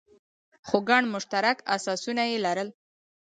خو ګڼ مشترک اساسونه یې لرل.